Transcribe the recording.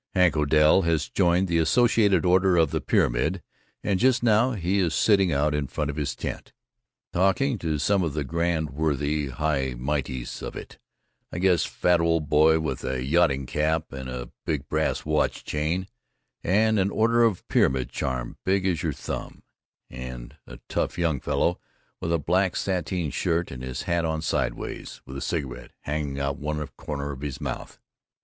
Hank Odell has joined the Associated Order of the Pyramid and just now he is sitting out in front of his tent talking to some of the Grand Worthy High Mighties of it I guess—fat old boy with a yachting cap and a big brass watch chain and an Order of Pyramid charm big as your thumb, and a tough young fellow with a black sateen shirt and his hat on sideways with a cigarette hanging out of one corner of his mouth.